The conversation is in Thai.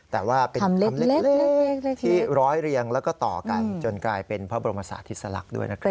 แต่ว่าเป็นคำเล็กที่ร้อยเรียงแล้วก็ต่อกันจนกลายเป็นพระบรมศาสติสลักษณ์ด้วยนะครับ